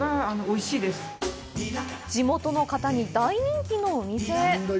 地元の方に大人気のお店へ。